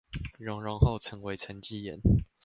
熔融後成為沈積岩